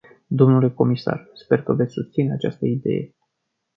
Domnule comisar, sper că veți susține această idee.